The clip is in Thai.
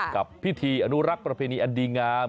กับพิธีอนุรักษ์ประเพณีอันดีงาม